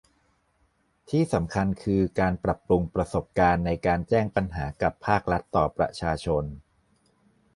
ที่สำคัญคือ การปรับปรุงประสบการณ์ในการแจ้งปัญหากับภาครัฐต่อประชาชน